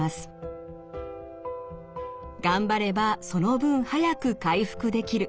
頑張ればその分早く回復できる。